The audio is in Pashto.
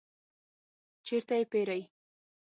چیرته یی پیرئ؟